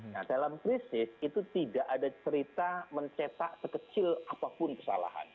nah dalam krisis itu tidak ada cerita mencetak sekecil apapun kesalahan